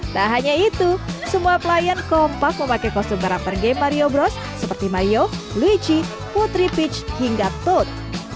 tak hanya itu semua pelayan kompak memakai kostum garam per game mario bros seperti mario luigi putri peach hingga toad